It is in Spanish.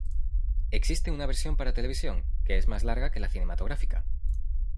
Existe una versión para televisión, que es más larga que la cinematográfica.